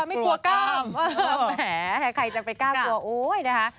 แม่ใครจะไปกล้ากลัว